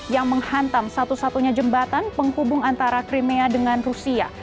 yang menghantam satu satunya jembatan penghubung antara crimea dengan rusia